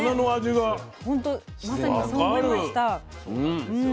ほんとまさにそう思いました。